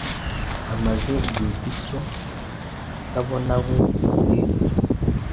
amaze igihe gito atabonawe Cadette.